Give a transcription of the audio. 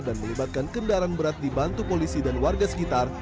dan melibatkan kendaraan berat dibantu polisi dan warga sekitar